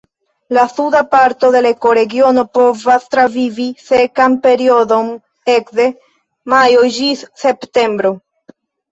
La suda parto de la ekoregiono povas travivi sekan periodon ekde majo ĝis septembro.